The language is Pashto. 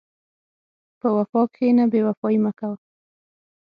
په وفا کښېنه، بېوفایي مه کوه.